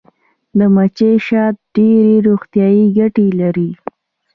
د مچۍ شات ډیرې روغتیایي ګټې لري